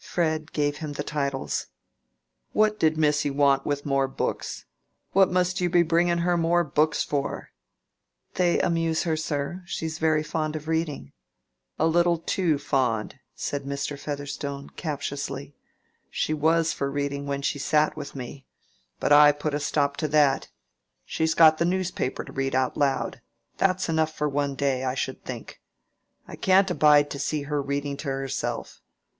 Fred gave him the titles. "What did missy want with more books? What must you be bringing her more books for?" "They amuse her, sir. She is very fond of reading." "A little too fond," said Mr. Featherstone, captiously. "She was for reading when she sat with me. But I put a stop to that. She's got the newspaper to read out loud. That's enough for one day, I should think. I can't abide to see her reading to herself.